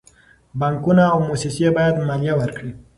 بانکونه او موسسې باید مالیه ورکړي.